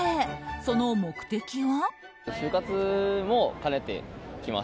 その目的は。